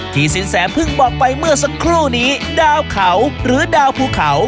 สินแสเพิ่งบอกไปเมื่อสักครู่นี้ดาวเขาหรือดาวภูเขา